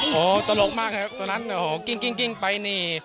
โห้ตลกมากครับตัวนั้นโห้กลิ่นไปนี่